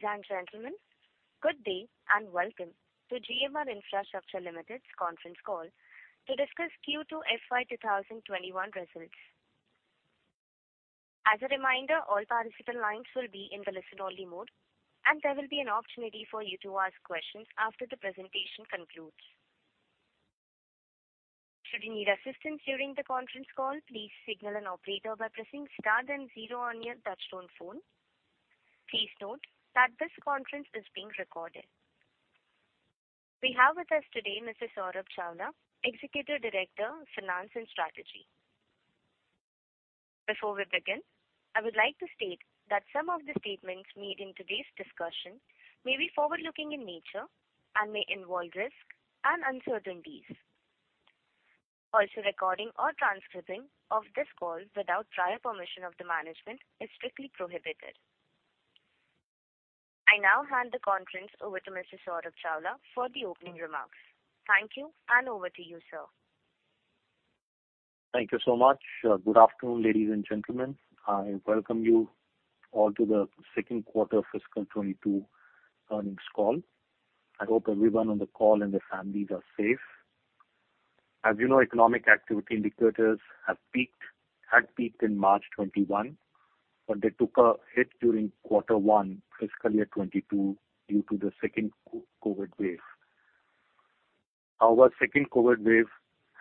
Ladies and gentlemen, good day, and welcome to GMR Airports Limited's Conference Call to Discuss Q2 FY 2021 Results. As a reminder, all participant lines will be in the listen-only mode, and there will be an opportunity for you to ask questions after the presentation concludes. Should you need assistance during the conference call, please signal an operator by pressing star then zero on your touchtone phone. Please note that this conference is being recorded. We have with us today Mr. Saurabh Chawla, Executive Director of Finance and Strategy. Before we begin, I would like to state that some of the statements made in today's discussion may be forward-looking in nature and may involve risks and uncertainties. Also, recording or transcribing of this call without prior permission of the management is strictly prohibited. I now hand the conference over to Mr. Saurabh Chawla for the opening remarks. Thank you, and over to you, sir. Thank you so much. Good afternoon, ladies and gentlemen. I welcome you all to the Q2 FY 2022 earnings call. I hope everyone on the call and their families are safe. As you know, economic activity indicators had peaked in March 2021, but they took a hit during Q1 FY 2022 due to the second COVID wave. Our second COVID wave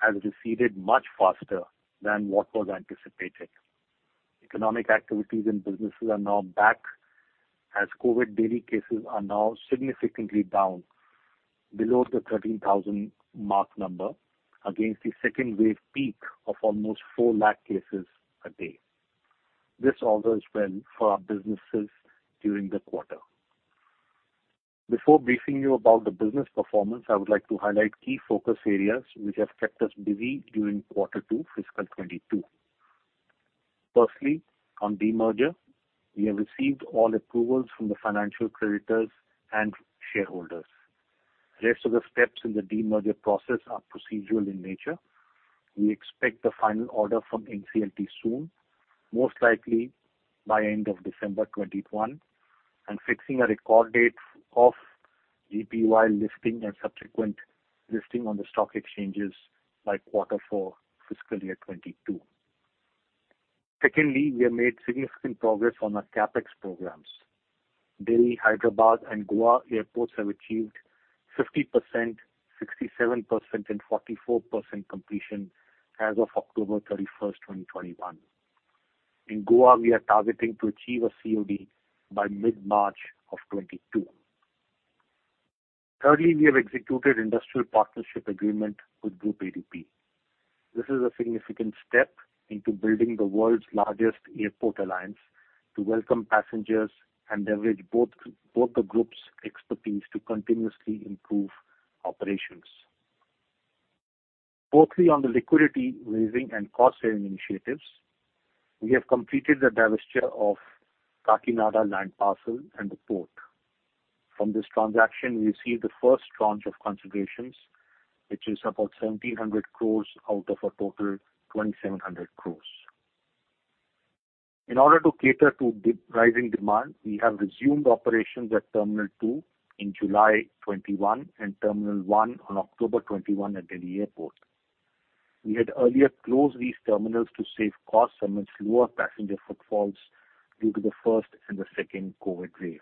has receded much faster than what was anticipated. Economic activities and businesses are now back, as COVID daily cases are now significantly down below the 13,000 mark against the second wave peak of almost 400,000 cases a day. This all goes well for our businesses during the quarter. Before briefing you about the business performance, I would like to highlight key focus areas which have kept us busy during Q2 FY 2022. Firstly, on demerger, we have received all approvals from the financial creditors and shareholders. The rest of the steps in the demerger process are procedural in nature. We expect the final order from NCLT soon, most likely by end of December 2021, and fixing a record date of GPUIL listing and subsequent listing on the stock exchanges by quarter four FY 2022. Secondly, we have made significant progress on our CapEx programs. Delhi, Hyderabad, and Goa airports have achieved 50%, 67%, and 44% completion as of October 31, 2021. In Goa, we are targeting to achieve a COD by mid-March 2022. Thirdly, we have executed industrial partnership agreement with Groupe ADP. This is a significant step into building the world's largest airport alliance to welcome passengers and leverage both the groups' expertise to continuously improve operations. Fourthly, on the liquidity raising and cost-saving initiatives, we have completed the divestiture of Kakinada land parcel and the port. From this transaction, we received the first tranche of considerations, which is about 700 crores out of a total 2,700 crores. In order to cater to rising demand, we have resumed operations at Terminal 2 in July 2021 and Terminal 1 on October 2021 at Delhi Airport. We had earlier closed these terminals to save costs amidst lower passenger footfalls due to the first and the second COVID wave.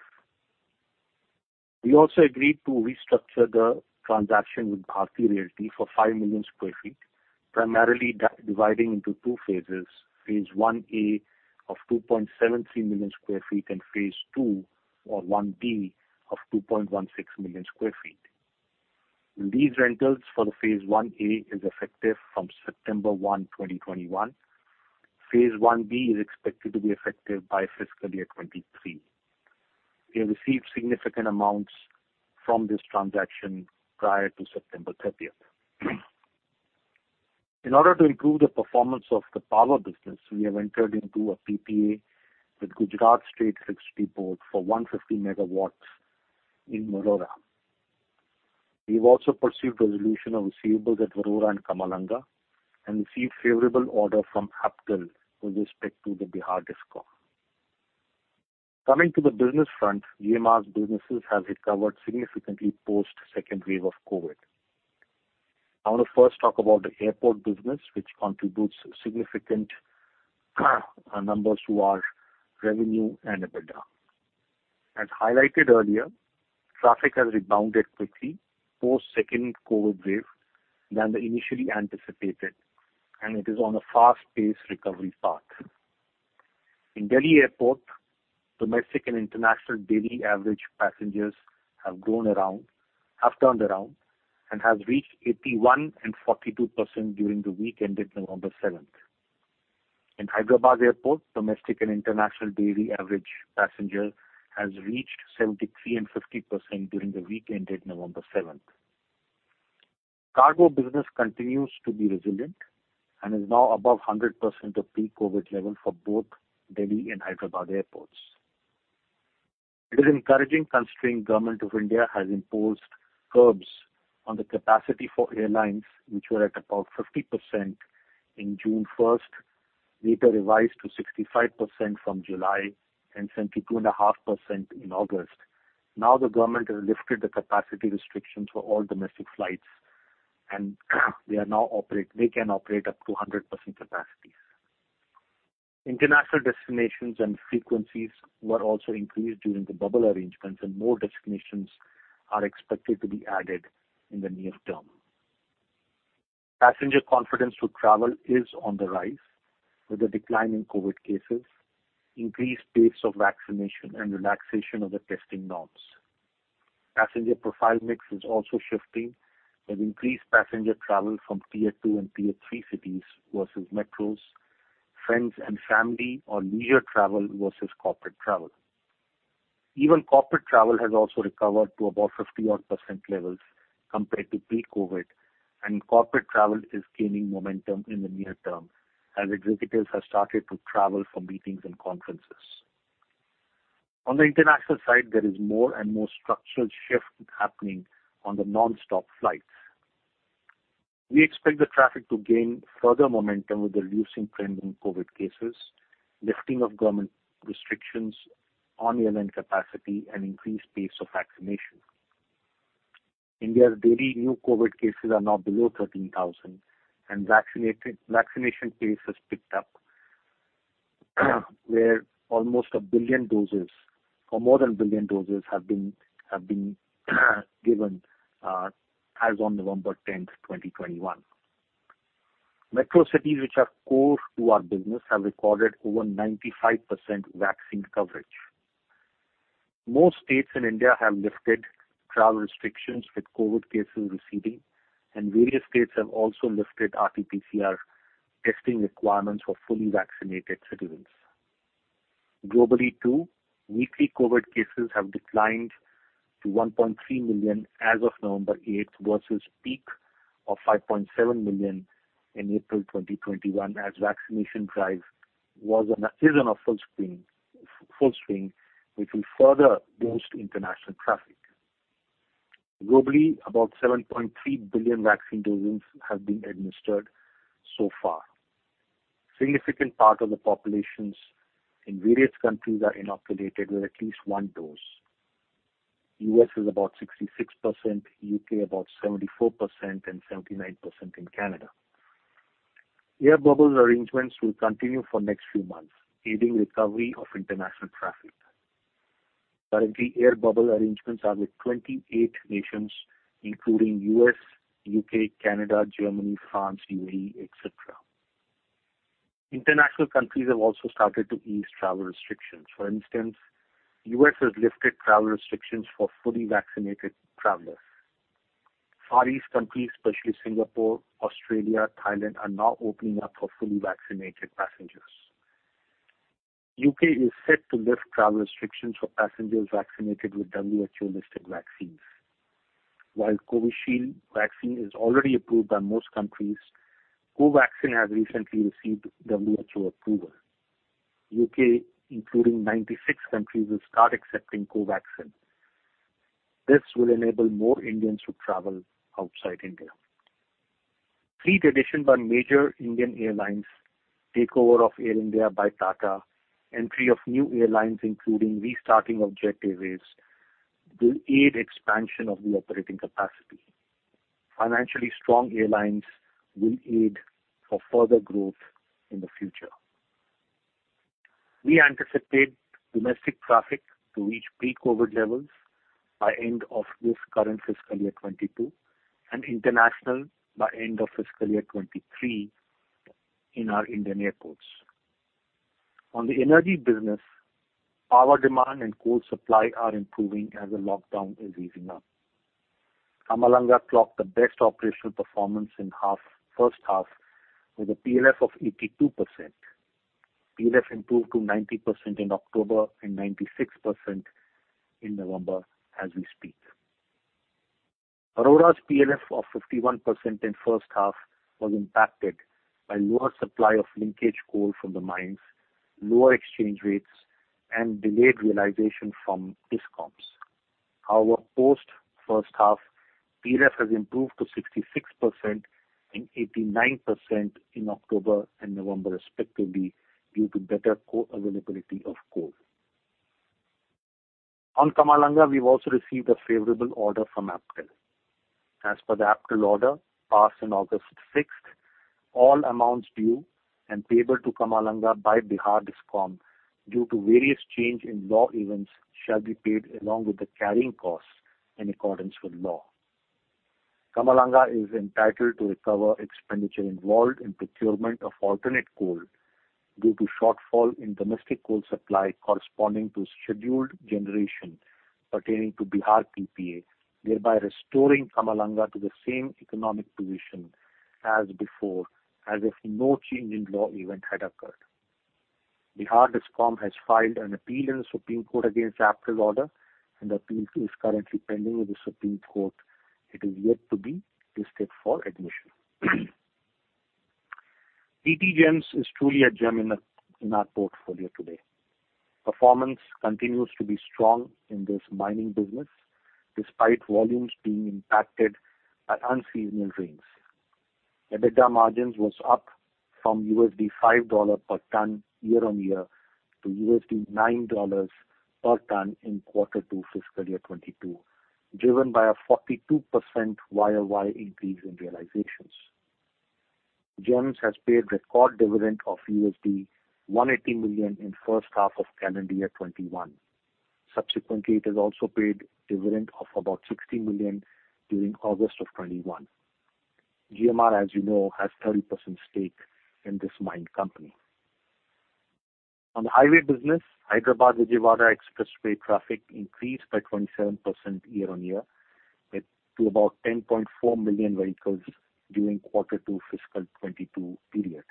We also agreed to restructure the transaction with Bharti Realty for 5 million sq ft, primarily dividing into two phases, phase one A of 2.73 million sq ft and phase two or one B of 2.16 million sq ft. These rentals for the phase one A is effective from September 1, 2021. Phase 1B is expected to be effective by FY 2023. We have received significant amounts from this transaction prior to September 30. In order to improve the performance of the power business, we have entered into a PPA with Gujarat Urja Vikas Nigam Limited for 150 MW in Warora. We have also pursued resolution of receivables at Warora and Kamalanga and received favorable order from APTEL with respect to the Bihar Discom. Coming to the business front, GMR's businesses have recovered significantly post second wave of COVID. I want to first talk about the airport business, which contributes significant numbers to our revenue and EBITDA. As highlighted earlier, traffic has rebounded quickly post second COVID wave than initially anticipated, and it is on a fast-paced recovery path. In Delhi Airport, domestic and international daily average passengers have turned around and has reached 81% and 42% during the week ended November 7. In Hyderabad Airport, domestic and international daily average passenger has reached 73% and 50% during the week ended November 7. Cargo business continues to be resilient and is now above 100% of pre-COVID level for both Delhi and Hyderabad airports. It is encouraging considering Government of India has imposed curbs on the capacity for airlines which were at about 50% in June 1. Later revised to 65% from July and 72.5% in August. Now the government has lifted the capacity restrictions for all domestic flights, and they can operate up to a 100% capacity. International destinations and frequencies were also increased during the bubble arrangements, and more destinations are expected to be added in the near term. Passenger confidence to travel is on the rise with a decline in COVID cases, increased pace of vaccination, and relaxation of the testing norms. Passenger profile mix is also shifting, with increased passenger travel from tier two and tier three cities versus metros, friends and family or leisure travel versus corporate travel. Even corporate travel has also recovered to about 50-odd% levels compared to pre-COVID, and corporate travel is gaining momentum in the near term as executives have started to travel for meetings and conferences. On the international side, there is more and more structural shift happening on the nonstop flights. We expect the traffic to gain further momentum with the reducing trend in COVID cases, lifting of government restrictions on airline capacity, and increased pace of vaccination. India's daily new COVID cases are now below 13,000, and vaccination pace has picked up, where almost 1 billion doses or more than 1 billion doses have been given, as on November 10, 2021. Metro cities which are core to our business have recorded over 95% vaccine coverage. Most states in India have lifted travel restrictions with COVID cases receding, and various states have also lifted RTPCR testing requirements for fully vaccinated citizens. Globally, too, weekly COVID cases have declined to 1.3 million as of November 8 versus peak of 5.7 million in April 2021 as vaccination drive is in a full swing, which will further boost international traffic. Globally, about 7.3 billion vaccine doses have been administered so far. Significant part of the populations in various countries are inoculated with at least one dose. U.S. is about 66%, U.K. about 74% and 79% in Canada. Air bubble arrangements will continue for next few months, aiding recovery of international traffic. Currently, air bubble arrangements are with 28 nations, including U.S., U.K., Canada, Germany, France, UAE, etc. International countries have also started to ease travel restrictions. For instance, U.S. has lifted travel restrictions for fully vaccinated travelers. Far East countries, especially Singapore, Australia, Thailand, are now opening up for fully vaccinated passengers. U.K. is set to lift travel restrictions for passengers vaccinated with WHO-listed vaccines. While Covishield vaccine is already approved by most countries, Covaxin has recently received WHO approval. U.K., including 96 countries, will start accepting Covaxin. This will enable more Indians to travel outside India. Fleet addition by major Indian airlines, takeover of Air India by Tata, entry of new airlines, including restarting of Jet Airways, will aid expansion of the operating capacity. Financially strong airlines will aid for further growth in the future. We anticipate domestic traffic to reach pre-COVID levels by end of this current fiscal year 2022 and international by end of fiscal year 2023 in our Indian airports. On the energy business, power demand and coal supply are improving as the lockdown is easing up. Kamalanga clocked the best operational performance in first half with a PLF of 82%. PLF improved to 90% in October and 96% in November as we speak. Warora's PLF of 51% in first half was impacted by lower supply of linkage coal from the mines, lower exchange rates, and delayed realization from discoms. However, post first half, PLF has improved to 66% and 89% in October and November respectively, due to better availability of coal. On Kamalanga, we've also received a favorable order from APTEL. As per the APTEL order passed in August sixth, all amounts due and payable to Kamalanga by Bihar Discom due to various change in law events shall be paid along with the carrying costs in accordance with law. Kamalanga is entitled to recover expenditure involved in procurement of alternate coal due to shortfall in domestic coal supply corresponding to scheduled generation pertaining to Bihar PPA, thereby restoring Kamalanga to the same economic position as before, as if no change in law event had occurred. Bihar Discom has filed an appeal in the Supreme Court against the APTEL order and appeal is currently pending with the Supreme Court. It is yet to be listed for admission. PT Golden Energy Mines Tbk is truly a gem in our portfolio today. Performance continues to be strong in this mining business despite volumes being impacted by unseasonal rains. EBITDA margins was up from $5 per ton year-on-year to $9 per ton in Q2 FY 2022, driven by a 42% YOY increase in realizations. GEMS has paid record dividend of $180 million in first half of calendar year 2021. Subsequently, it has also paid dividend of about $60 million during August 2021. GMR, as you know, has 30% stake in this mine company. On the highway business, Hyderabad-Vijayawada Expressway traffic increased by 27% year-on-year to about 10.4 million vehicles during quarter 2 FY 2022 period.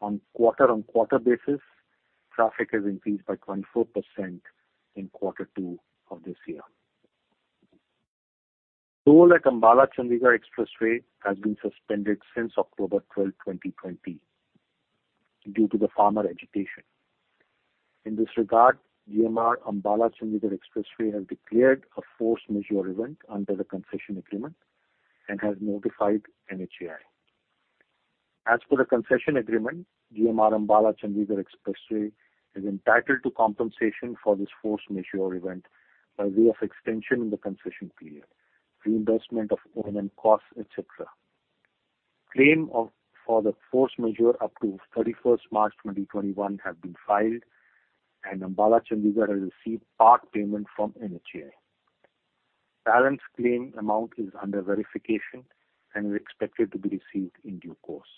On quarter-on-quarter basis, traffic has increased by 24% in quarter 2 of this year. Toll at Ambala-Chandigarh Expressway has been suspended since October 12, 2020 due to the farmer agitation. In this regard, GMR Ambala-Chandigarh Expressway has declared a force majeure event under the concession agreement and has notified NHAI. As per the concession agreement, GMR Ambala-Chandigarh Expressway is entitled to compensation for this force majeure event by way of extension in the concession period, reimbursement of O&M costs, etc. Claims for the force majeure up to 31 March 2021 have been filed, and Ambala-Chandigarh has received part payment from NHAI. Balance claim amount is under verification and is expected to be received in due course.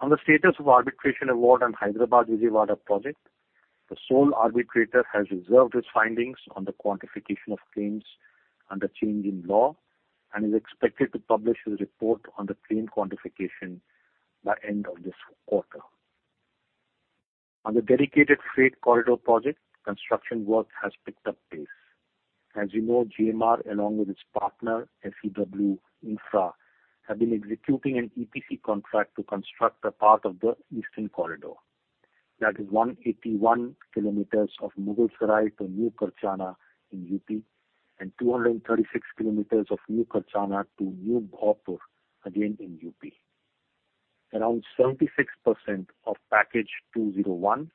On the status of arbitration award on Hyderabad-Vijayawada project, the sole arbitrator has reserved his findings on the quantification of claims under change in law and is expected to publish his report on the claim quantification by end of this quarter. On the dedicated freight corridor project, construction work has picked up pace. As you know, GMR along with its partner, SEW Infra, have been executing an EPC contract to construct a part of the eastern corridor. That is 181 km of Mughalsarai to New Karchana in U.P., and 236 km of New Karchana to New Bhaupur, again in U.P. Around 76% of package 201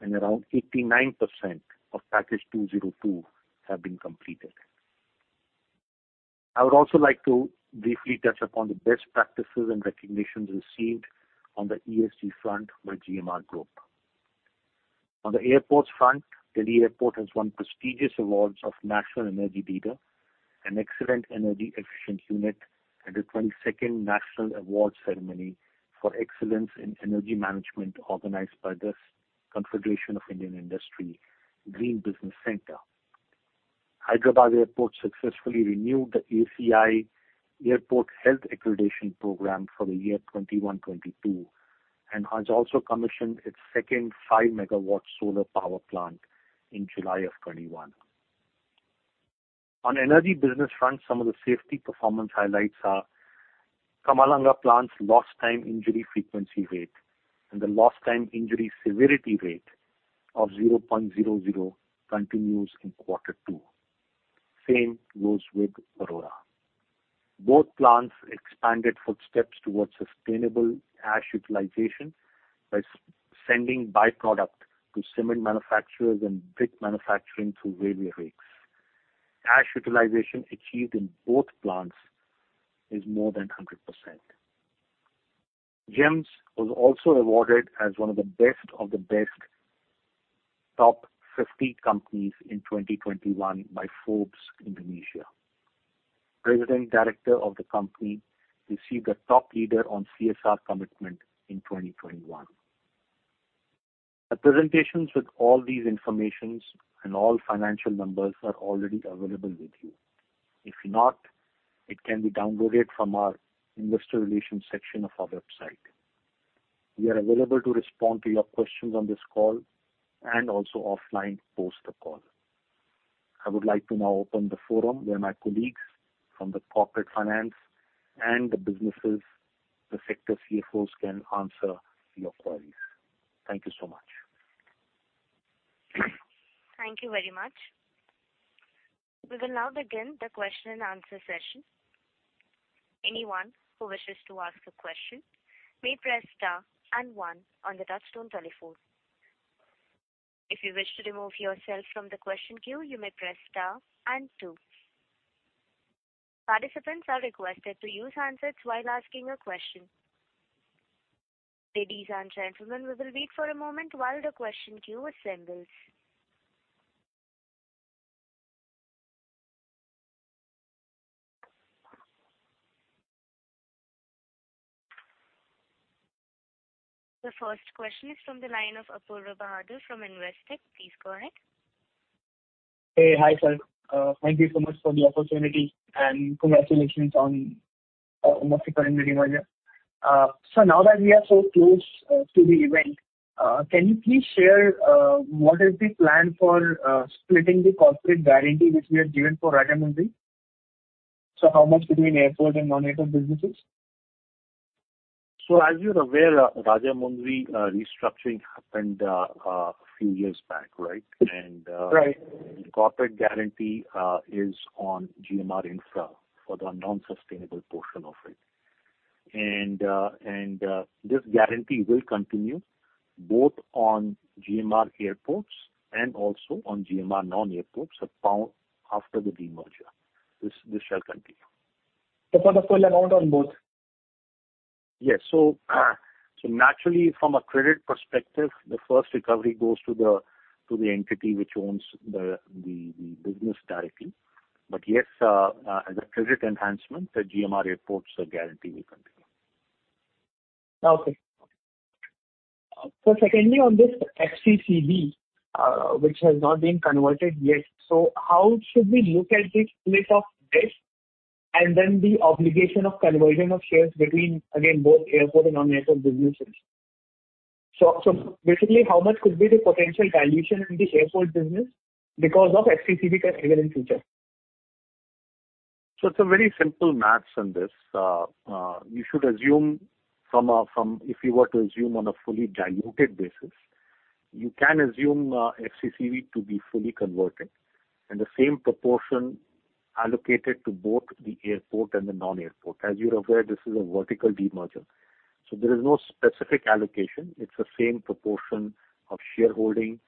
and around 89% of package 202 have been completed. I would also like to briefly touch upon the best practices and recognitions received on the ESG front by GMR Group. On the airports front, Delhi Airport has won prestigious awards of National Energy Leader and Excellent Energy Efficient Unit at the 22nd National Award Ceremony for Excellence in Energy Management, organized by the Confederation of Indian Industry Green Business Center. Hyderabad Airport successfully renewed the ACI Airport Health Accreditation program for the year 2021, 2022, and has also commissioned its second 5 MW solar power plant in July 2021. On energy business front, some of the safety performance highlights are Kamalanga plant's lost time injury frequency rate and the lost time injury severity rate of 0.00 continues in Q2. Same goes with Warora. Both plants expanded efforts towards sustainable ash utilization by sending by-product to cement manufacturers and brick manufacturing through railway rakes. Ash utilization achieved in both plants is more than 100%. GEMS was also awarded as one of the Best of the Best Top Fifty companies in 2021 by Forbes Indonesia. President Director of the company received the Top Leader on CSR Commitment in 2021. The presentations with all these information and all financial numbers are already available with you. If not, it can be downloaded from our investor relations section of our website. We are available to respond to your questions on this call and also offline post the call. I would like to now open the forum where my colleagues from the corporate finance and the businesses, the sector CFOs can answer your queries. Thank you so much. Thank you very much. We will now begin the question and answer session. Anyone who wishes to ask a question may press star and one on the touchtone telephone. If you wish to remove yourself from the question queue, you may press star and two. Participants are requested to use handsets while asking a question. Ladies and gentlemen, we will wait for a moment while the question queue assembles. The first question is from the line of Apoorva Bahadur from Investec. Please go ahead. Hi, sir. Thank you so much for the opportunity, and congratulations on the current merger. Now that we are so close to the event, can you please share what is the plan for splitting the corporate guarantee which we have given for Rajahmundry? How much between airport and non-airport businesses? As you're aware, Rajahmundry restructuring happened a few years back, right? Right. The corporate guarantee is on GMR Infra for the non-sustainable portion of it. This guarantee will continue both on GMR Airports and also on GMR non-airports, so after the demerger. This shall continue. For the full amount on both? Yes. Naturally from a credit perspective, the first recovery goes to the entity which owns the business directly. Yes, as a credit enhancement, the GMR Airports guarantee will continue. Okay. Secondly, on this FCCB, which has not been converted yet, how should we look at the split of this and then the obligation of conversion of shares between, again, both airport and non-airport businesses? Basically, how much could be the potential dilution in the airport business because of FCCB conversion in future? It's a very simple math on this. You should assume if you were to assume on a fully diluted basis, you can assume FCCB to be fully converted, and the same proportion allocated to both the airport and the non-airport. As you're aware, this is a vertical demerger, so there is no specific allocation. It's the same proportion of shareholding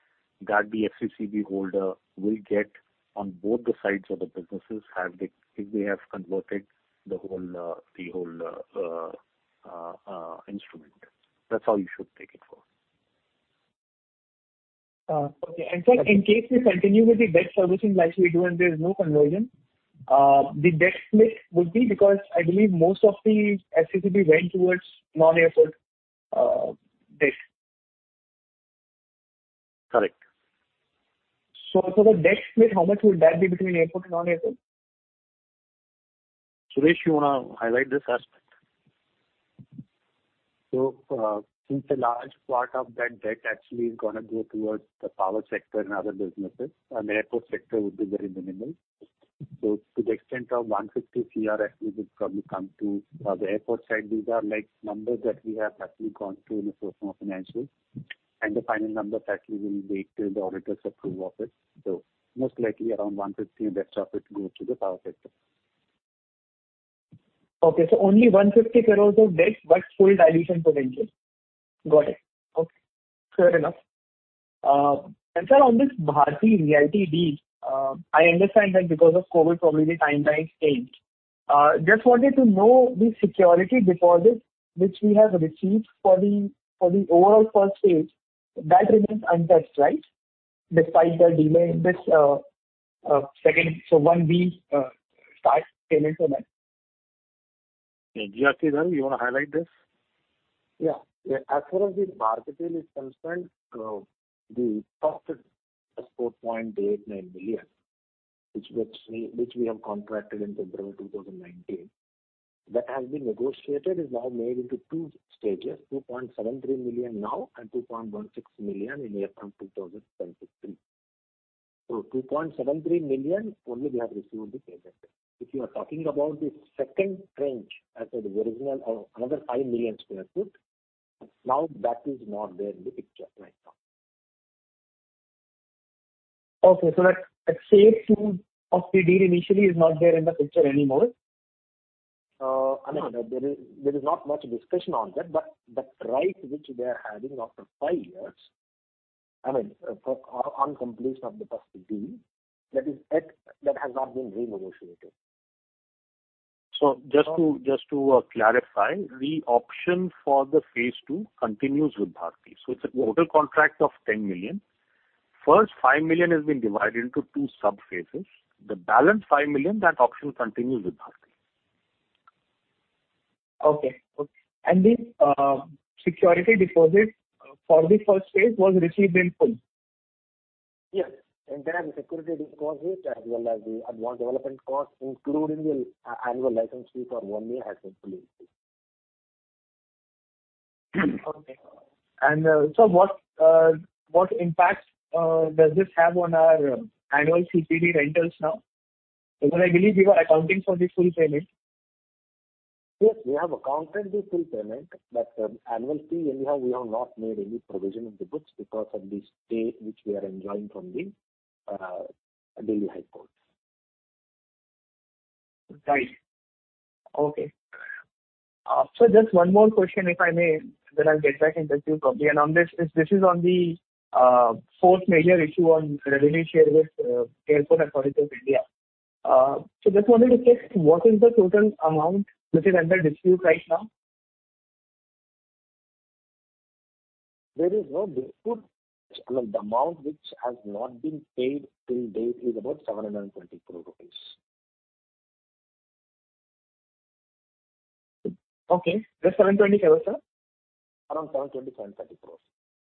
that the FCCB holder will get on both the sides of the businesses if they have converted the whole instrument. That's how you should take it for. Okay. Sir, in case we continue with the debt servicing like we do, and there is no conversion, the debt split would be because I believe most of the FCCB went towards non-airport debt. Correct. For the debt split, how much would that be between Airport and non-Airport? Suresh, you wanna highlight this aspect? Since a large part of that debt actually is gonna go towards the power sector and other businesses, and the airport sector would be very minimal. To the extent of 150 crores, we would probably come to the airport side. These are like numbers that we have actually gone through in the first quarter financials. The final numbers actually will wait till the auditors approve of it. Most likely around 150 crores of debt portion go to the power sector. Okay, only 150 crores of debt, but full dilution potential. Got it. Okay. Fair enough. Sir, on this Bharti Realty deal, I understand that because of COVID, probably the timeline changed. I just wanted to know the security deposit which we have received for the overall first phase, that remains untouched, right? Despite the delay in this second, so when we start payment for that. Yeah. GRC, sir, you want to highlight this? Yeah. As far as the Bharti deal is concerned, the first is 4.89 million, which we have contracted in February 2019. That has been negotiated, is now made into two stages, 2.73 million now and 2.16 million in a year from 2023. So 2.73 million only we have received the payment. If you are talking about the second tranche, as said, the original, another 5 million sq ft, now that is not there in the picture right now. Okay. That same sum of the deal initially is not there in the picture anymore? I mean, there is not much discussion on that, but that price which we are adding after five years, I mean, on completion of the first deal, that has not been renegotiated. Just to clarify, the option for the phase two continues with Bharti. It's a total contract of 10 million. First 5 million has been divided into two subphases. The balance 5 million, that option continues with Bharti. Okay. The security deposit for the first phase was received in full? Yes. Entire security deposit as well as the advance development cost, including the annual license fee for one year has been released. Okay. What impact does this have on our annual CPD rentals now? Because I believe you are accounting for the full payment. Yes, we have accounted the full payment, but annual fee, anyhow, we have not made any provision in the books because of the stay which we are enjoying from the Delhi High Court. Right. Okay. Sir, just one more question, if I may, then I'll get back in touch with you probably. This is on the force majeure issue on revenue share with Airports Authority of India. So just wanted to check what is the total amount which is under dispute right now? There is no dispute. I mean, the amount which has not been paid till date is about 720 crore rupees. Okay. Just 720 crore, sir? Around 720-730 crores.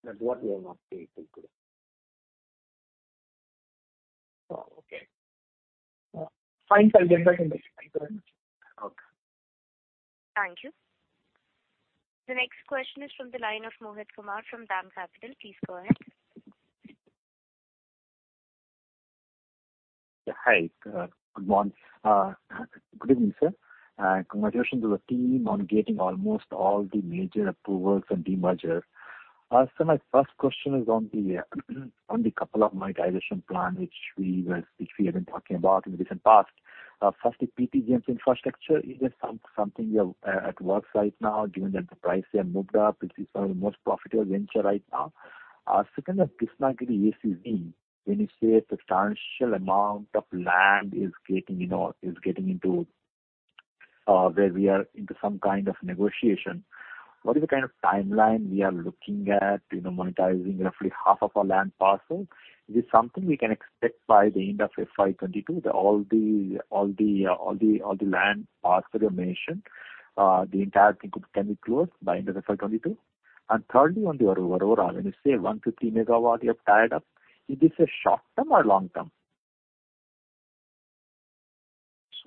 That's what we have not paid till today. Oh, okay. Fine, sir. I'll get back in touch. Thank you very much. Okay. Thank you. The next question is from the line of Mohit Kumar from DAM Capital. Please go ahead. Hi, good morning. Good evening, sir. Congratulations to the team on getting almost all the major approvals and demerger. My first question is on the couple of monetization plans which we have been talking about in the recent past. First, the PT Golden Energy Mines. Is there something you have at work right now, given that the price they have moved up, it is one of the most profitable venture right now. Second one, Krishnagiri SEZ. When you say a substantial amount of land is getting, you know, into where we are into some kind of negotiation, what is the kind of timeline we are looking at, you know, monetizing roughly half of our land parcel? Is it something we can expect by the end of FY 2022, that all the land parcel you mentioned, the entire thing can be closed by end of FY 2022? Thirdly, on the Warora, when you say 1-3 MW you have tied up, is this a short-term or long-term?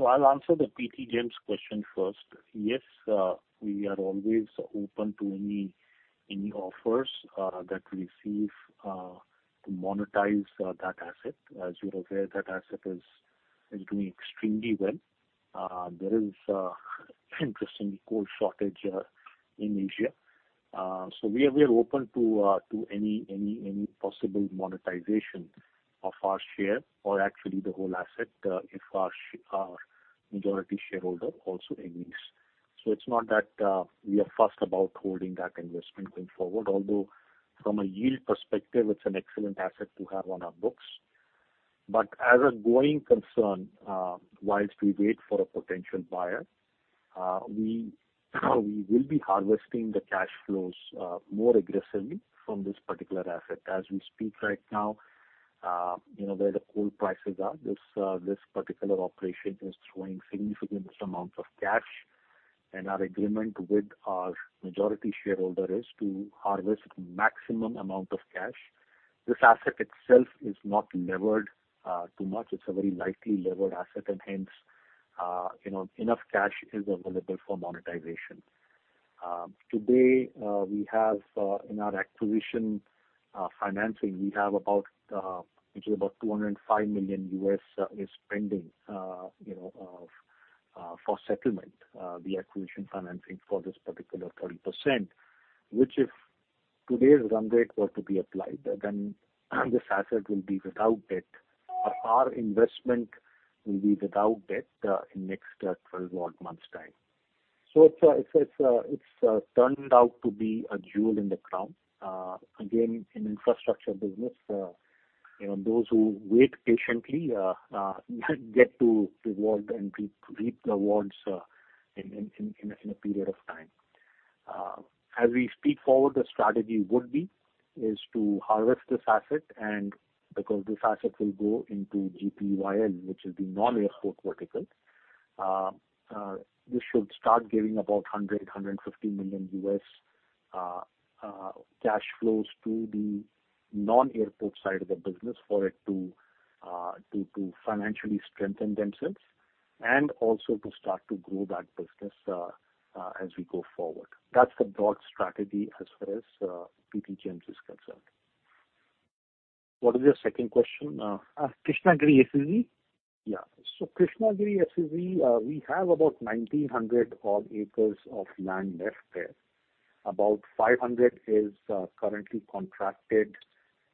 I'll answer the PT GEMS question first. Yes, we are always open to any offers that we receive to monetize that asset. As you're aware, that asset is doing extremely well. There is, interestingly, coal shortage in Asia. We are open to any possible monetization of our share or actually the whole asset, if our majority shareholder also agrees. It's not that we are fussed about holding that investment going forward. Although from a yield perspective, it's an excellent asset to have on our books. As a going concern, whilst we wait for a potential buyer, we will be harvesting the cash flows more aggressively from this particular asset. As we speak right now, you know where the coal prices are, this particular operation is throwing significant amounts of cash, and our agreement with our majority shareholder is to harvest maximum amount of cash. This asset itself is not levered too much. It's a very lightly levered asset, and hence, you know, enough cash is available for monetization. Today, we have in our acquisition financing, we have about $205 million is pending, you know, for settlement, the acquisition financing for this particular 30%, which if today's run rate were to be applied, then this asset will be without debt. Our investment will be without debt in next 12 odd months' time. So it's turned out to be a jewel in the crown. Again, in infrastructure business, you know, those who wait patiently get to reward and reap the rewards in a period of time. As we speak forward, the strategy would be to harvest this asset and because this asset will go into GPUIL, which is the non-airport vertical. This should start giving about 150 million US cash flows to the non-airport side of the business for it to financially strengthen themselves and also to start to grow that business as we go forward. That's the broad strategy as far as PT GEMS is concerned. What is your second question? Krishnagiri SEZ. Yeah. Krishnagiri SEZ, we have about 1,900 odd acres of land left there. About 500 is currently contracted,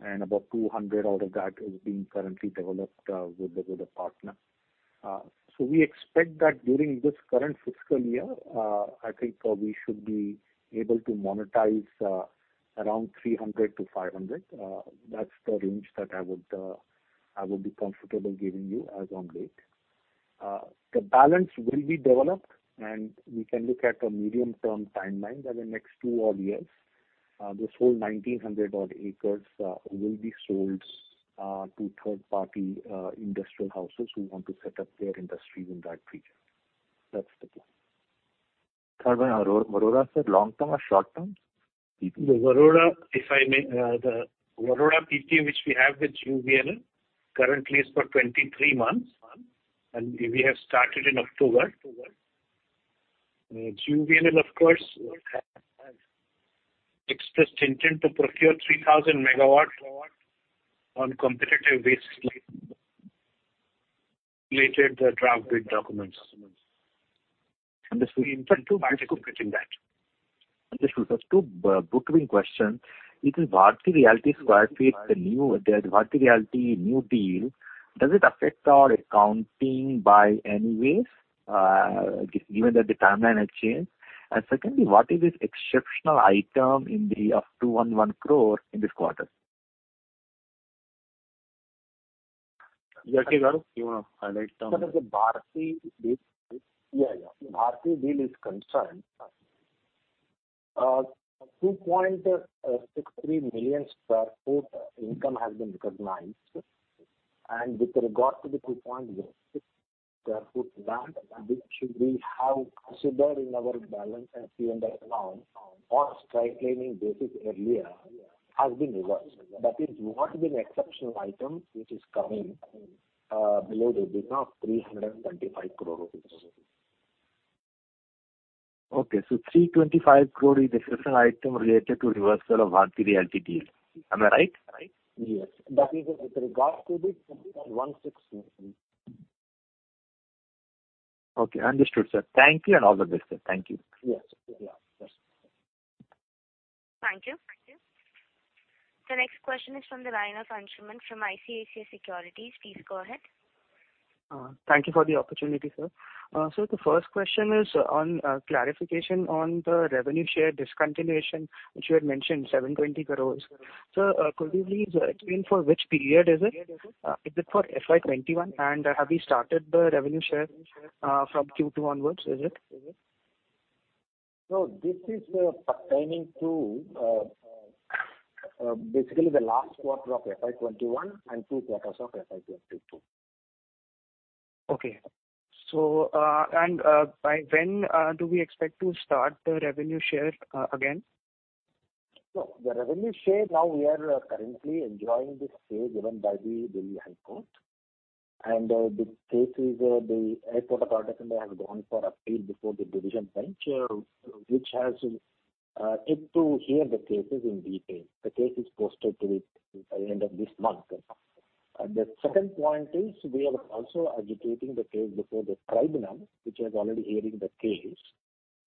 and about 200 out of that is being currently developed with a partner. So we expect that during this current fiscal year, I think, we should be able to monetize around 300 to 500. That's the range that I would be comfortable giving you as on date. The balance will be developed, and we can look at a medium-term timeline that the next 2 odd years, this whole 1,900 odd acres will be sold to third-party industrial houses who want to set up their industries in that region. That's the plan. Third one, Warora sir, long term or short term? The Warora, if I may, the Warora PP which we have with GUVNL currently is for 23 months, and we have started in October. JVNL of course has expressed intent to procure 3,000 megawatt on competitive basis related the draft bid documents. Understood. We intend to complete that. Understood. There's two bookkeeping question. The Bharti Realty new deal, does it affect our accounting in any way, given that the timeline has changed? Secondly, what is this exceptional item of 211 crore in this quarter? Jagdish Rao, you wanna highlight? Sir, the Bharti deal. As far as the Bharti deal is concerned, 2.63 million sq ft income has been recognized. And with regard to the 2.6 million sq ft land, which we have considered in our balance sheet as revenue on straight-line basis earlier, has been reversed. That is the exceptional item, which is coming below the EBITDA of INR 335 crore. Okay. So 325 crore is a special item related to reversal of Bharti Realty deal. Am I right? Yes. That is with regard to the INR 16 million. Okay, understood, sir. Thank you and all the best, sir. Thank you. Yes. Yeah. Yes. Thank you. The next question is from the line of Anshuman from ICICI Securities. Please go ahead. Thank you for the opportunity, sir. The first question is on clarification on the revenue share discontinuation which you had mentioned 720 crores. Sir, could you please explain for which period is it? Is it for FY 2021? Have you started the revenue share from Q2 onwards, is it? No. This is pertaining to basically the last quarter of FY 2021 and 2 quarters of FY 2022. By when do we expect to start the revenue share again? No. The revenue share now we are currently enjoying the stay given by the Delhi High Court, and the case is the Airports Authority of India has gone for appeal before the division bench, which has yet to hear the cases in detail. The case is posted to the end of this month. The second point is we are also agitating the case before the tribunal which is already hearing the case,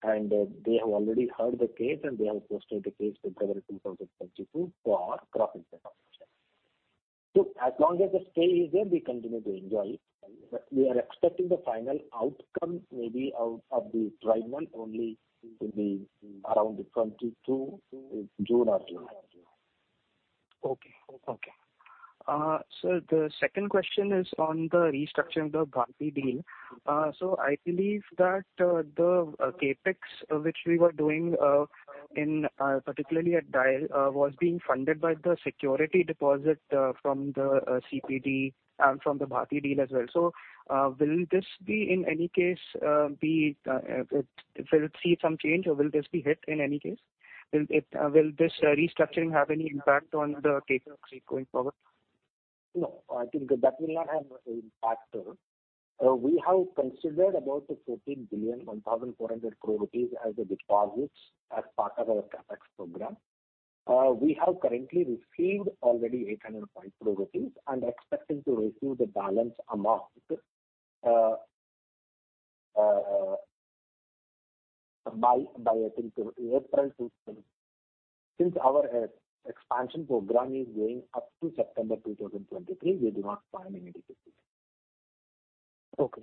and they have already heard the case, and they have posted the case for December 2022. So as long as the stay is there, we continue to enjoy. We are expecting the final outcome maybe out of the tribunal only in around the 22 June or July. Sir, the second question is on the restructure of the Bharti deal. I believe that the CapEx which we were doing, in particular, at DIAL was being funded by the security deposit from the CPD and from the Bharti deal as well. Will this, in any case, see some change or will this be hit in any case? Will this restructuring have any impact on the CapEx going forward? No, I think that will not have an impact, sir. We have considered about the 14,140 crore rupees as the deposits as part of our CapEx program. We have currently received already 800 crore rupees and expecting to receive the balance amount by, I think, April 2022. Since our expansion program is going up to September 2023, we do not find any difficulty. Okay.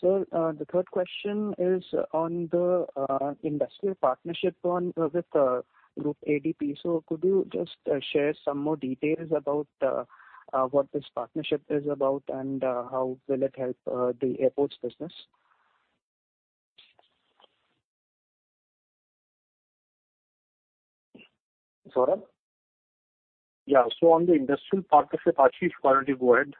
Sir, the third question is on the strategic partnership with Groupe ADP. Could you just share some more details about what this partnership is about and how will it help the airports business? Sorry? Yeah. On the industrial partnership, Ashish, why don't you go ahead?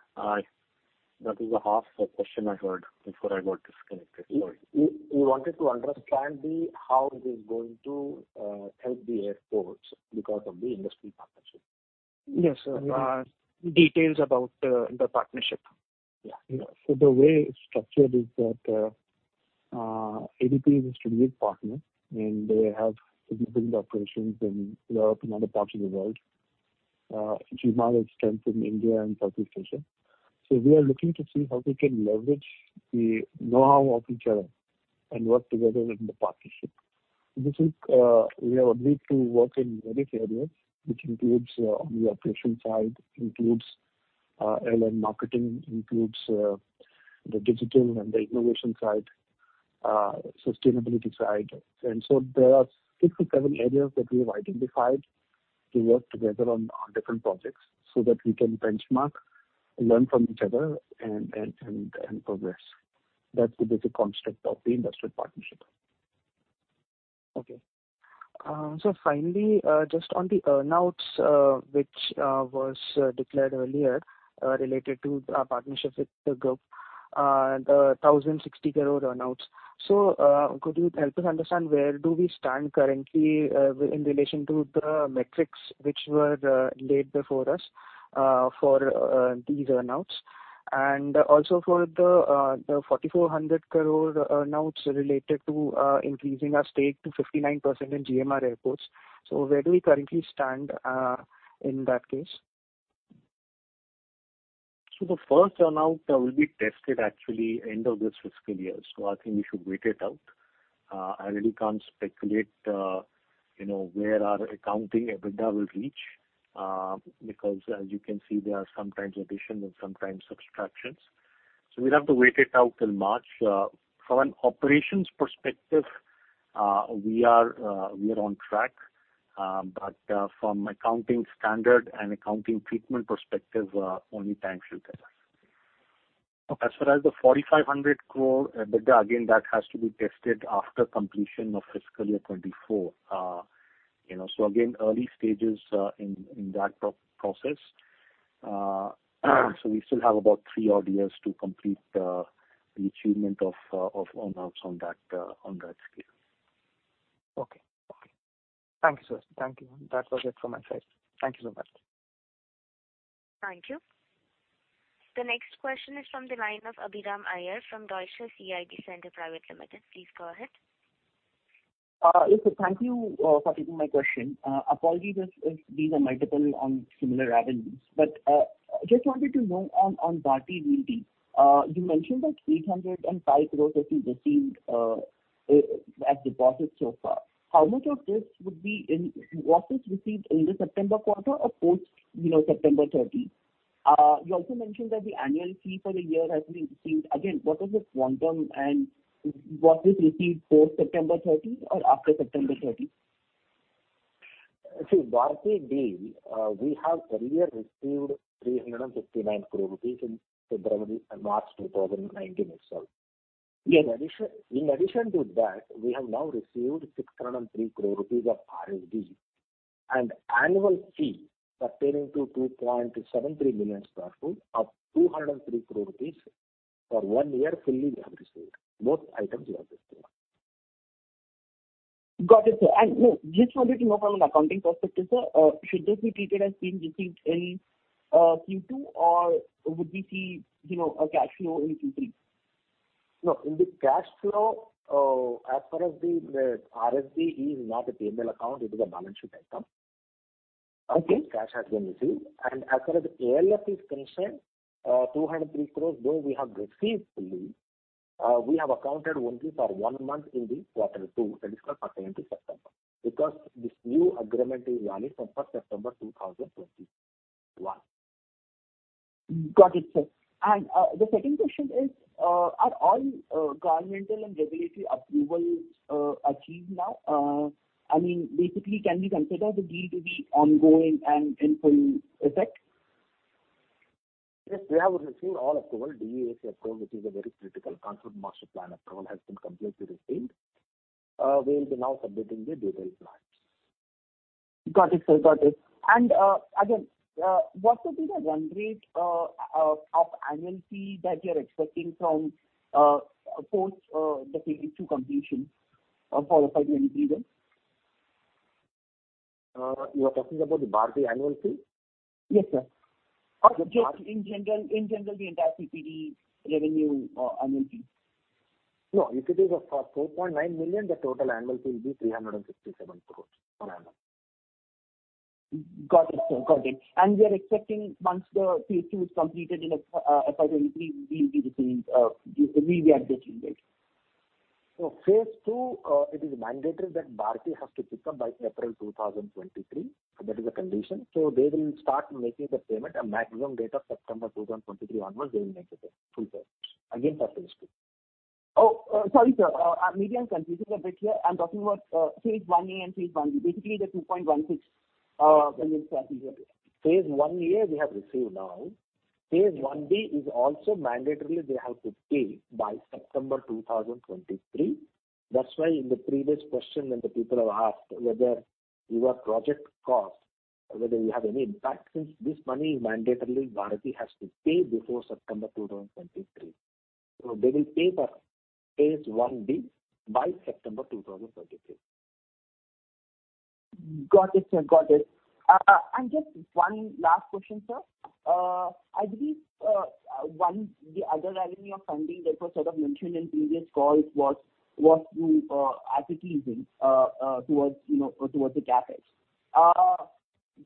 That is half the question I heard before I got disconnected. Sorry. He wanted to understand how this is going to help the airports because of the industry partnership. Yes, sir. Details about the partnership. Yeah. The way it's structured is that, ADP is a strategic partner, and they have significant operations in Europe and other parts of the world. GMR has strength in India and Southeast Asia. We are looking to see how we can leverage the know-how of each other and work together in the partnership. We have agreed to work in various areas, which includes on the operation side, airline marketing, the digital and the innovation side, sustainability side. There are six to seven areas that we have identified to work together on different projects so that we can benchmark and learn from each other and progress. That's the basic construct of the industrial partnership. Okay. Finally, just on the earn outs, which was declared earlier, related to the partnership with the group, the 1,060 crore earn outs. Could you help us understand where we stand currently in relation to the metrics which were laid before us for these earn outs? And also for the 4,400 crore earn outs related to increasing our stake to 59% in GMR Airports. Where do we currently stand in that case? The first earn out will be tested actually end of this fiscal year. I think we should wait it out. I really can't speculate, you know, where our accounting EBITDA will reach, because as you can see, there are sometimes additions and sometimes subtractions. We'll have to wait it out till March. From an operations perspective, we are on track. But from accounting standard and accounting treatment perspective, only time should tell. As far as the 4,500 crore EBITDA, again, that has to be tested after completion of FY 2024. You know, again, early stages in that process. We still have about three odd years to complete the achievement of earn outs on that scale. Okay. Thank you, sir. Thank you. That was it from my side. Thank you so much. Thank you. The next question is from the line of Abhiram Iyer from Deutsche CIB Center Private Limited. Please go ahead. Yes, sir. Thank you for taking my question. Apologies if these are multiple on similar avenues. Just wanted to know on Bharti deal. You mentioned that 805 crores have been received as deposit so far. How much of this would be in the September quarter? Was this received in the September quarter or post, you know, September 30? You also mentioned that the annual fee for the year has been received. Again, what is the quantum and was this received post September 30 or after September 30? See, Bharti deal, we have earlier received 359 crore rupees in February and March 2019 itself. Yes. In addition to that, we have now received 603 crore rupees of RSD and annual fee pertaining to 2.73 million sq ft of 203 crore rupees for one year fully. We have received both items. Got it, sir. Just wanted to know from an accounting perspective, sir, should this be treated as being received in Q2 or would we see a cash flow in Q3? No. In the cash flow, as far as the RSD is not a P&L account, it is a balance sheet item. Okay. Cash has been received. As far as ALF is concerned, 203 crores, though we have received fully, we have accounted only for one month in the quarter two, that is from September to September, because this new agreement is valid from September 1, 2021. Got it, sir. The second question is, are all governmental and regulatory approvals achieved now? I mean, basically, can we consider the deal to be ongoing and in full effect? Yes. We have received all approval. DGCA approval, which is a very critical. Concept master plan approval has been completely received. We'll be now submitting the detailed plans. Got it, sir. Again, what would be the run rate of annual fee that you're expecting from post the phase two completion for the 523 then? You are talking about the Bharti annual fee? Yes, sir. Just in general, the entire CPD revenue or annual fee. No. If it is of 4.9 million, the total annual fee will be 367 crores per annum. Got it, sir. Got it. We are expecting once the phase two is completed in 2023, we will be receiving, we'll be adjusting that. Phase two, it is mandatory that Bharti has to pick up by April 2023. That is a condition. They will start making the payment a maximum date of September 2023 onwards they will make full payments. Again, subject to. Sorry, sir. Maybe I'm confusing a bit here. I'm talking about phase 1A and phase 1B. Basically the 2.16 million sq ft here. Phase 1 A, we have received now. Phase 1 B is also mandatorily they have to pay by September 2023. That's why in the previous question when the people have asked whether your project cost, whether you have any impact, since this money mandatorily Bharti has to pay before September 2023. They will pay for phase 1 B by September 2023. Got it, sir. Just one last question, sir. I believe the other avenue of funding that was sort of mentioned in previous calls was through asset leasing towards, you know, the CapEx.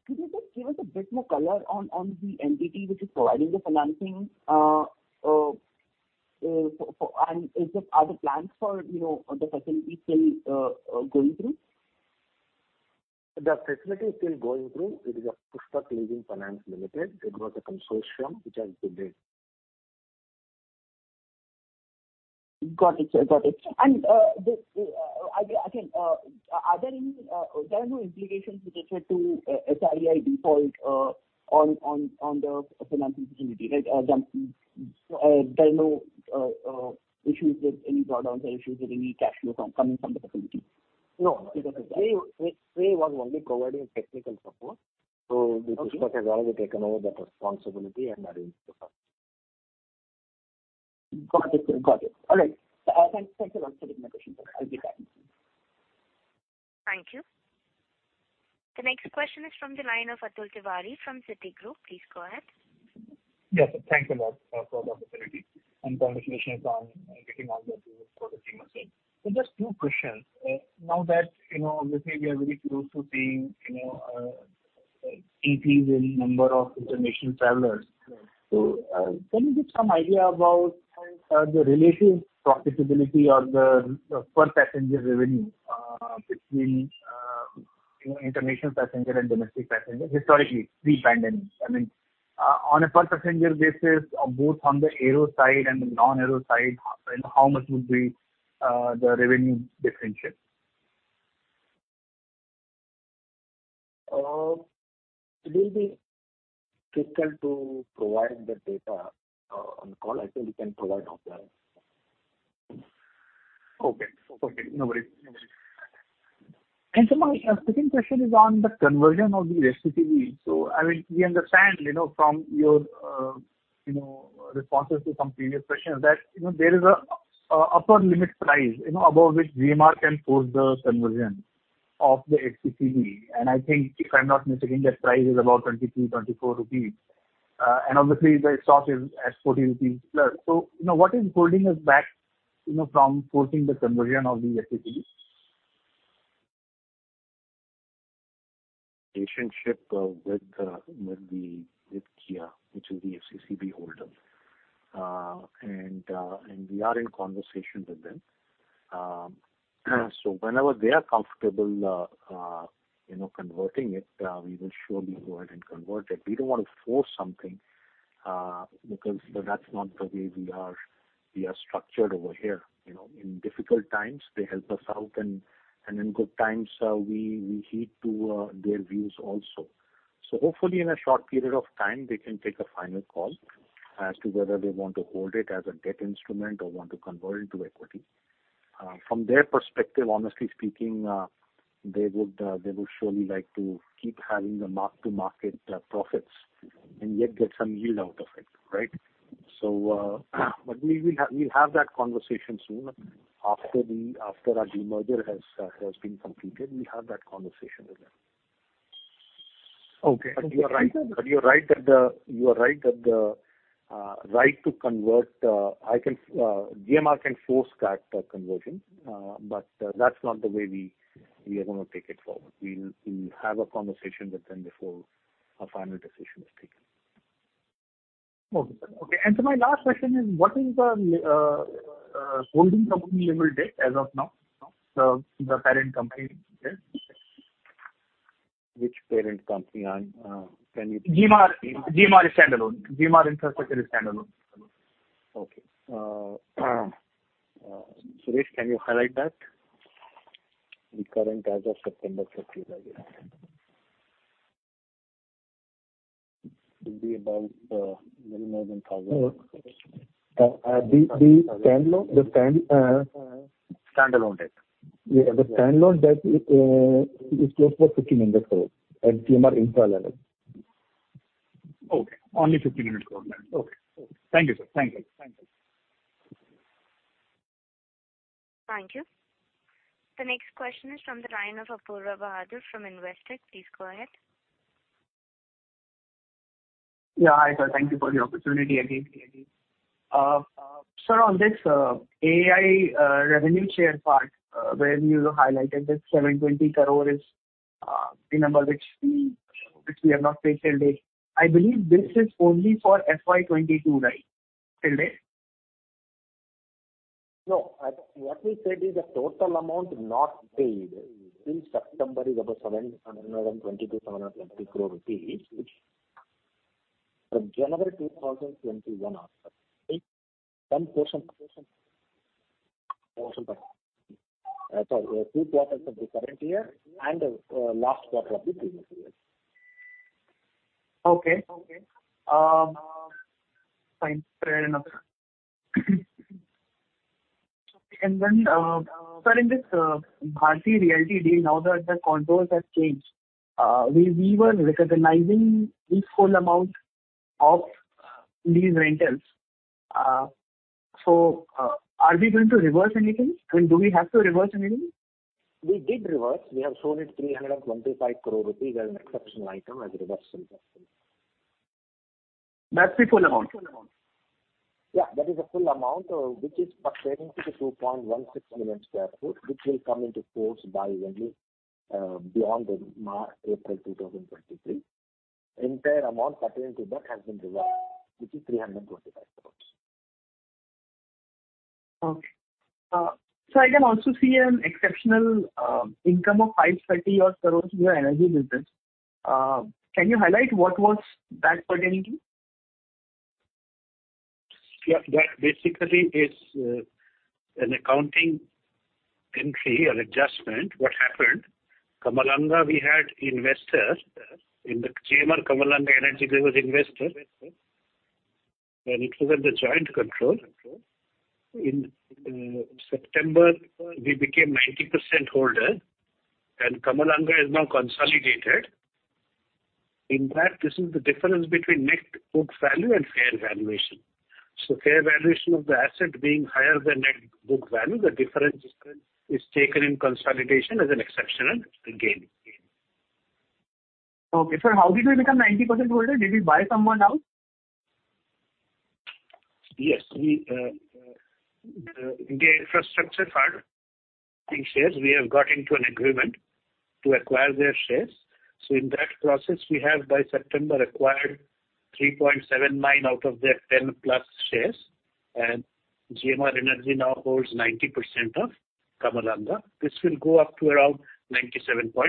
Could you just give us a bit more color on the entity which is providing the financing, and are the plans for, you know, the facility still going through? The facility is still going through. It is Pushpak Leasing & Finance Limited. It was a consortium which has been bid. Got it, sir. Got it. Again, there are no implications related to SREI default on the financing facility, right? There are no issues with any drawdowns or issues with any cash flow coming from the facility? No. It doesn't have. SREI was only providing technical support. Okay. Pushpak has already taken over the responsibility and arranged the funds. Got it, sir. Got it. All right. Thanks a lot for taking my questions, sir. I'll get back in the queue. Thank you. The next question is from the line of Atul Tiwari from Citigroup. Please go ahead. Yes. Thanks a lot for the opportunity and congratulations on getting all the approvals for the demerger sale. Just two questions. Now that, you know, obviously we are very close to seeing, you know, increasing number of international travelers. Can you give some idea about the relative profitability of the per passenger revenue between, you know, international passenger and domestic passenger historically, pre-pandemic? I mean, on a per passenger basis both on the aero side and the non-aero side, you know, how much would be the revenue differentiate? It will be difficult to provide the data on the call. I think we can provide offline. Okay. No worries. Sir, my second question is on the conversion of the FCCBs. I mean, we understand, you know, from your responses to some previous questions that, you know, there is a upper limit price, you know, above which GMR can force the conversion of the FCCB. I think, if I'm not mistaken, that price is about 23-24 rupees. Obviously the stock is at 40+ rupees. You know, what is holding us back, you know, from forcing the conversion of the FCCB? Relationship with the Kuwait Investment Authority, which is the FCCB holder. We are in conversation with them. Whenever they are comfortable, you know, converting it, we will surely go ahead and convert it. We don't want to force something because that's not the way we are structured over here, you know. In difficult times, they help us out, and in good times, we heed to their views also. Hopefully in a short period of time, they can take a final call as to whether they want to hold it as a debt instrument or want to convert it to equity. From their perspective, honestly speaking, they would surely like to keep having the mark-to-market profits, and yet get some yield out of it, right? We'll have that conversation soon after our demerger has been completed. We'll have that conversation with them. Okay. You are right that the right to convert GMR can force that conversion. That's not the way we are gonna take it forward. We'll have a conversation with them before a final decision is taken. My last question is, what is the holding company level debt as of now? The parent company debt. Which parent company? I'm, can you- GMR. GMR is standalone. GMR Infrastructure is standalone. Okay. Suresh, can you highlight that? The current as of September 30, I guess. It'll be about little more than 1,000 crore. The standalone. Standalone debt. Yeah. The standalone debt is close to 1,500 crore at GMR Infrastructure level. Okay. Only INR 1,500 crore then. Okay. Thank you, sir. Thank you. Thank you. The next question is from the line of Apoorva Bahadur from Investec. Please go ahead. Hi, sir. Thank you for the opportunity again. Sir, on this AAI revenue share part, where you highlighted that 720 crore is the number which we have not paid till date. I believe this is only for FY 2022, right? Till date. No. What we said is the total amount not paid till September is about INR 720-723 crore, which from January 2021 onward, right? Some portion. Sorry, 2 quarters of the current year and last quarter of the previous year. Okay. Fine. Fair enough. Then, sir, in this Bharti Realty deal, now that the controls have changed, we were recognizing the full amount of these rentals. Are we going to reverse anything? I mean, do we have to reverse anything? We did reverse. We have shown it 325 crore rupees as an exceptional item, as a reversal portion. That's the full amount? Yeah, that is the full amount, which is pertaining to the 2.16 million sq ft, which will come into force only beyond March, April 2023. Entire amount pertaining to that has been reversed, which is INR 325 crore. Okay. Sir, I can also see an exceptional income of 530-odd crore in your energy business. Can you highlight what was that pertaining to? Yeah. That basically is an accounting entry or adjustment. What happened, Kamalanga, we had investor. In the GMR Kamalanga Energy, there was investor, and it was under joint control. In September, we became 90% holder, and Kamalanga is now consolidated. In fact, this is the difference between net book value and fair valuation. Fair valuation of the asset being higher than net book value, the difference is taken in consolidation as an exceptional gain. Okay. Sir, how did we become 90% holder? Did we buy someone out? Yes. We, the infrastructure partner shares, we have got into an agreement to acquire their shares. In that process, we have by September acquired 3.79 out of their 10+ shares, and GMR Energy now holds 90% of Kamalanga. This will go up to around 97.5%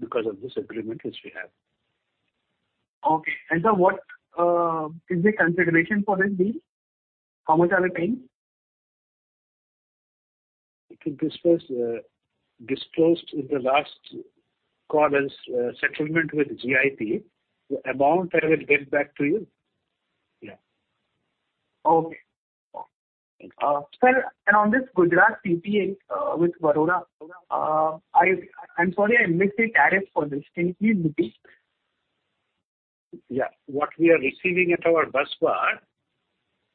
because of this agreement which we have. Okay. Sir, what is the consideration for it be? How much are we paying? It was disclosed in the last conference settlement with GIP. The amount I will get back to you. Yeah. Okay. Sir, on this Gujarat PPA with Warora, I'm sorry I missed it. Arif posed this. Can you please repeat? What we are receiving at our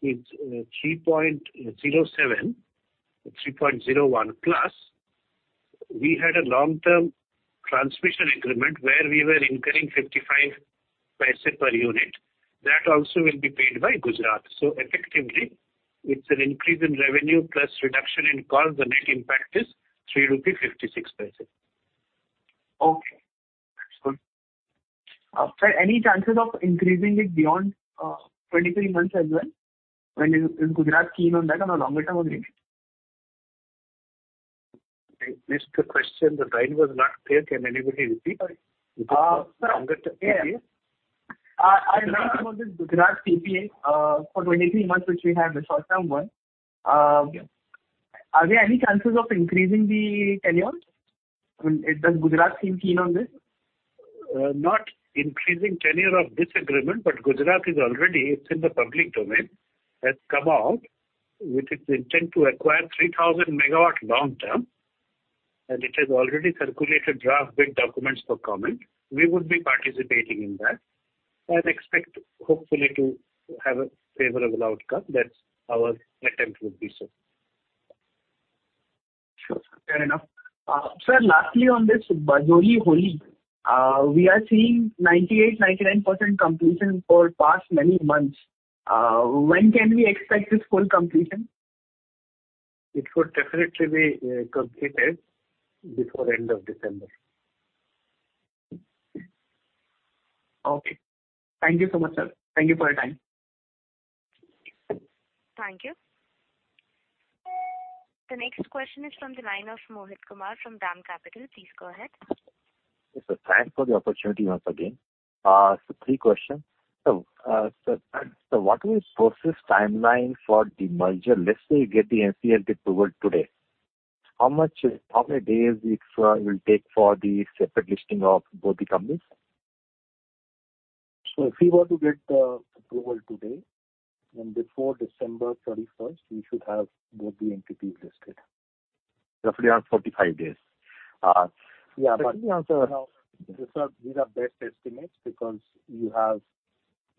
busbar is 3.07, 3.01+. We had a long-term transmission increment where we were incurring 0.55 per unit. That also will be paid by Gujarat. Effectively, it's an increase in revenue plus reduction in cost. The net impact is 3.56 rupees. Okay. That's good. Sir, any chances of increasing it beyond 23 months as well? I mean, is Gujarat keen on that, on a longer-term agreement? I missed the question. The line was not clear. Can anybody repeat it? Sir. Longer-term period. Yeah. I asked about this Gujarat PPA for 23 months which we have, the short-term one. Are there any chances of increasing the tenure? I mean, does Gujarat seem keen on this? Not increasing tenure of this agreement, but Gujarat is already, it's in the public domain, has come out with its intent to acquire 3,000 MW long-term, and it has already circulated draft bid documents for comment. We would be participating in that and expect hopefully to have a favorable outcome. That's our attempt would be so. Sure, fair enough. Sir, lastly on this Bajoli-Holi, we are seeing 98%-99% completion for past many months. When can we expect this full completion? It would definitely be completed before the end of December. Okay. Thank you so much, sir. Thank you for your time. Thank you. The next question is from the line of Mohit Kumar from DAM Capital. Please go ahead. Yes, sir. Thanks for the opportunity once again. 3 questions. What is process timeline for the merger? Let's say you get the NCLT approval today. How many days it will take for the separate listing of both the companies? If we were to get the approval today, then before December 31, we should have both the entities listed. Roughly around 45 days. These are best estimates because you have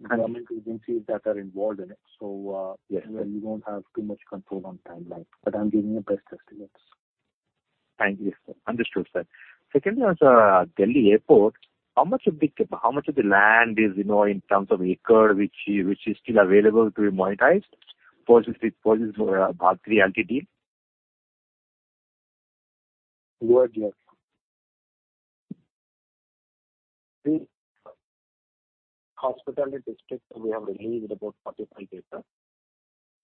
government agencies that are involved in it. Yes. You know, you don't have too much control on timeline, but I'm giving you best estimates. Thank you, sir. Understood, sir. Secondly, on Delhi Airport, how much of the land is, you know, in terms of acre, which is still available to be monetized? Progress with the Bharti Realty. The hospitality district we have leased about 45 acres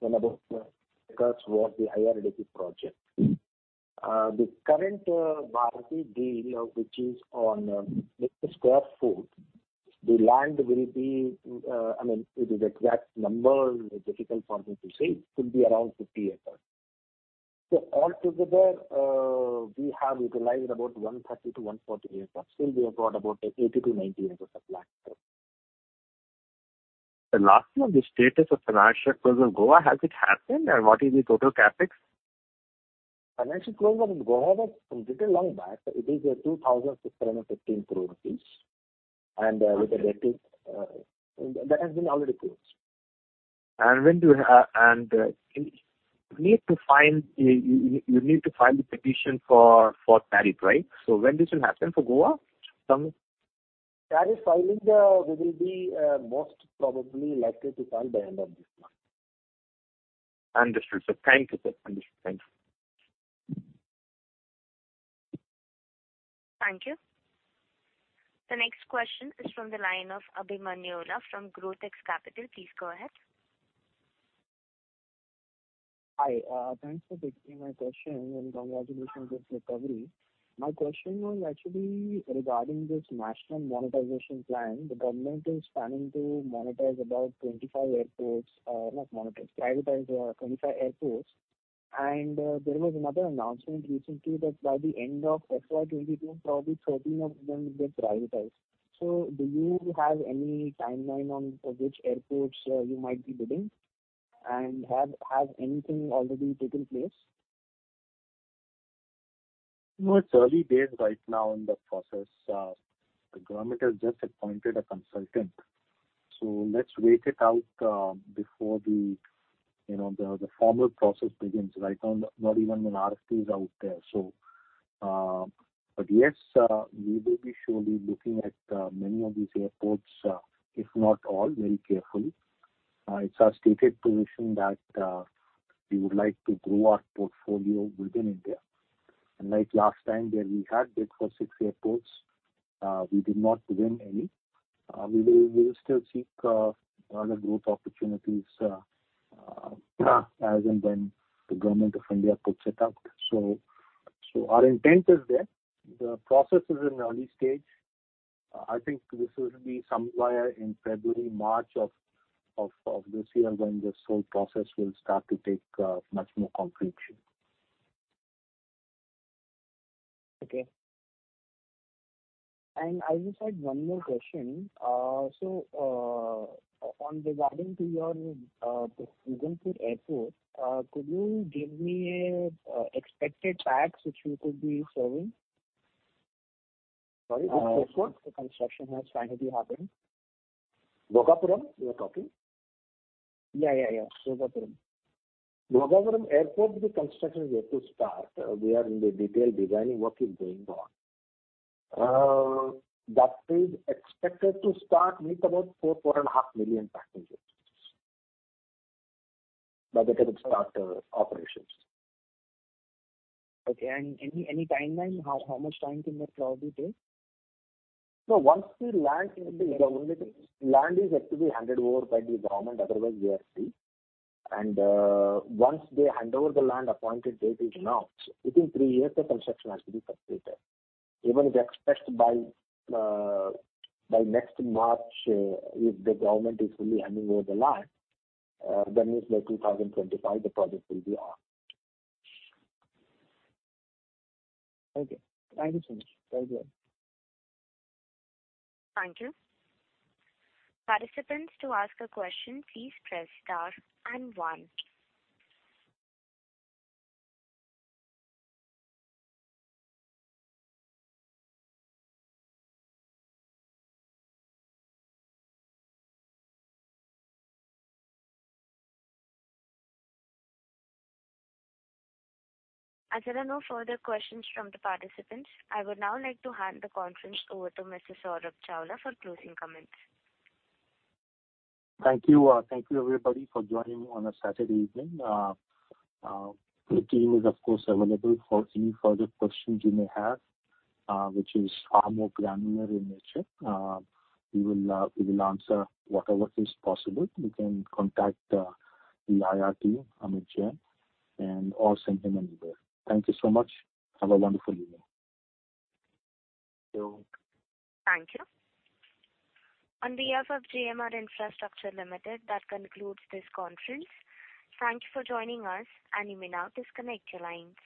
and the IRDC project. The current Bharti Realty deal which is on square foot, the land will be, I mean, the exact number is difficult for me to say. It could be around 50 acres. So all together, we have utilized about 130-140 acres. Still we have got about 80-90 acres of land, sir. Lastly on the status of financial close of Goa, has it happened and what is the total CapEx? Financial close of Goa was completed long back. It is 2,615 crore rupees. With the rating that has been already closed. You need to file the petition for tariff, right? When this will happen for Goa? Tariff filing, we will be most probably likely to file by end of this month. Understood, sir. Thank you, sir. Understood. Thank you. Thank you. The next question is from the line of Abhimanyu Dahiya from GrowthX Capital. Please go ahead. Hi. Thanks for taking my question, and congratulations on this recovery. My question was actually regarding this national monetization plan. The government is planning to monetize about 25 airports. Not monetize, privatize, 25 airports. There was another announcement recently that by the end of FY 2022, probably 13 of them will get privatized. Do you have any timeline on which airports you might be bidding? Has anything already taken place? No, it's early days right now in the process. The government has just appointed a consultant. Let's wait it out before the formal process begins. Right now not even an RFP is out there. But yes, we will be surely looking at many of these airports, if not all, very carefully. It's our stated position that we would like to grow our portfolio within India. Like last time where we had bid for six airports, we did not win any. We will still seek other growth opportunities as and when the Government of India puts it out. Our intent is there. The process is in early stage. I think this will be somewhere in February, March of this year when this whole process will start to take much more completion. Okay. I just had one more question. Regarding your Vizag airport, could you give me an expected pax which you could be serving? Sorry, which airport? The construction has finally happened. Bhogapuram you are talking? Yeah. Bhogapuram. Bhogapuram Airport construction is yet to start. We are in the detailed designing work is going on. That is expected to start with about 4.5 million passengers by the time it start operations. Okay. Any timeline how much time it may probably take? No, once the land is with the government, land is yet to be handed over by the government otherwise we are free. Once they hand over the land appointed date is announced, within 3 years the construction has to be completed. Even we expect by next March, if the government is fully handing over the land, then by 2025 the project will be on. Okay. Thank you so much. Very well. Thank you. Participants, to ask a question, please press star and one. As there are no further questions from the participants, I would now like to hand the conference over to Mr. Saurabh Chawla for closing comments. Thank you. Thank you, everybody, for joining on a Saturday evening. The team is of course available for any further questions you may have, which are more granular in nature. We will answer whatever is possible. You can contact the IR team, Amit Jain, or send him an email. Thank you so much. Have a wonderful evening. Thank you. Thank you. On behalf of GMR Infrastructure Limited, that concludes this conference. Thank you for joining us and you may now disconnect your lines.